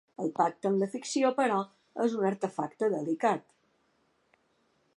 El pacte amb la ficció, però, és un artefacte delicat.